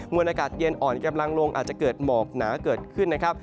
วนอากาศเย็นอ่อนกำลังลงอาจจะเกิดหมอกหนาเกิดขึ้นนะครับ